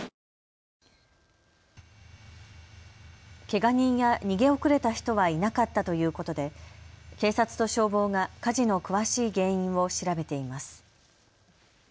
けが人や逃げ遅れた人はいなかったということで警察と消防が火事の詳しい原因を調べています。